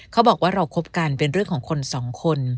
เขาบอกว่าเราคบกันเป็นเรื่องของคนสองคน